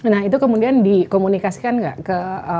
nah itu kemudian dikomunikasikan nggak ke